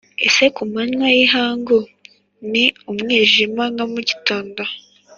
ese ku manywa y'ihangu ni umwijima nka mu gitondo?